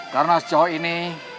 karena sejauh ini